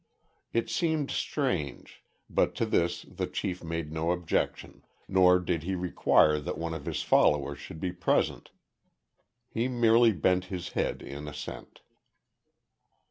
It seemed strange, but to this the chief made no objection, nor did he require that one of his followers should be present. He merely bent his head in assent.